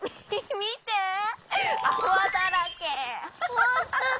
ほんとだ！